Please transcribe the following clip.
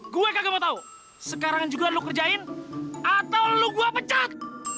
gue kagak mau tahu sekarang juga lo kerjain atau lo gue pecat